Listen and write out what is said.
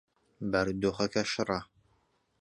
بارودۆخەکە شڕە.